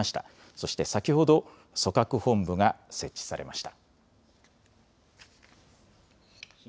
そして先ほど組閣本部が設置されました。